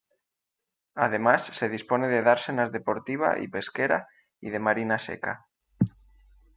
Además se dispone de dársenas deportiva y pesquera, y de marina seca.